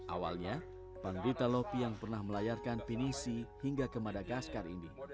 awalnya pan rita lopi yang pernah melayarkan pinisi hingga ke madagaskar ini